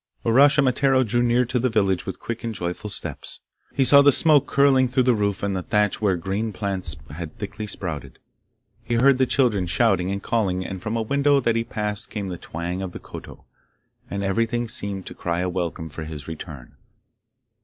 Uraschimataro drew near to the village with quick and joyful steps. He saw the smoke curling through the roof, and the thatch where green plants had thickly sprouted. He heard the children shouting and calling, and from a window that he passed came the twang of the koto, and everything seemed to cry a welcome for his return.